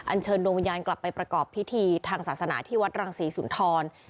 เชิญดวงวิญญาณกลับไปประกอบพิธีทางศาสนาที่วัดรังศรีสุนทร